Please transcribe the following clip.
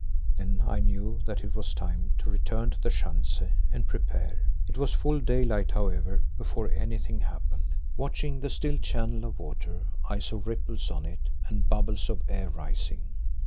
Then I knew that it was time to return to the schanze and prepare. It was full daylight, however, before anything happened. Watching the still channel of water, I saw ripples on it and bubbles of air rising.